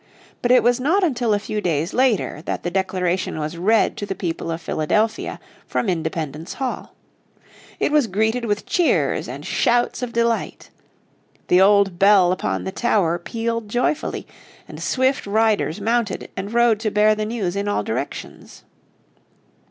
But it was not until a few days later that the Declaration was read to the people of Philadelphia from Independence Hall. It was greeted with cheers and shouts of delight. The old bell upon the tower pealed joyfully, and swift riders mounted and rode to bear the news in all directions.